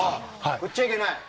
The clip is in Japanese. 振っちゃいけないんだ。